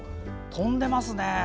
飛んでますね。